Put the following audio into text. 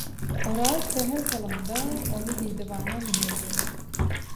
Oraz sähel salymda ony didiwana mündürdi.